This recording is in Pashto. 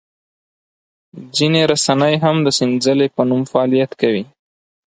ځینې رسنۍ هم د سنځلې په نوم فعالیت کوي.